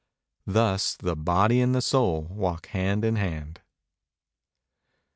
Thus The Body and The Soul walk hand in hand.